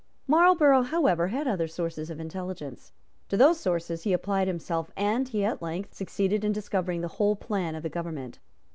Marlborough, however, had other sources of intelligence. To those sources he applied himself; and he at length succeeded in discovering the whole plan of the government.